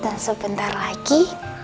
dan sebentar lagi